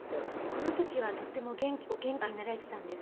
この時はとてもお元気になられてたんです。